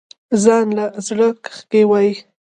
ځانله زړۀ کښې وايم